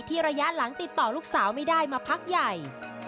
ระยะหลังติดต่อลูกสาวไม่ได้มาพักใหญ่